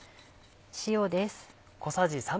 塩です。